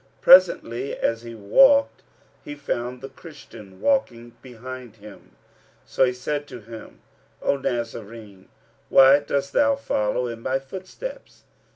Presently, as he walked, he found the Christian walking behind him; so he said to him, "O Nazarene,[FN#281] why dost thou follow in my footsteps?"